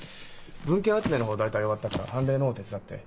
文献集めの方は大体終わったから判例の方手伝って。